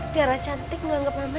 tiara cantik menganggap mama